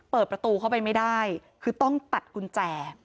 เปิดประตูเข้าไปไม่ได้คือต้องตัดกุญแจ